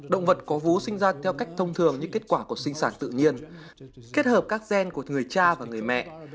động vật có vú sinh ra theo cách thông thường như kết quả của sinh sản tự nhiên kết hợp các gen của người cha và người mẹ